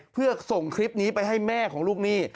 เพื่อส่งคลิปนี้ไปให้แม่ของลูกหนี้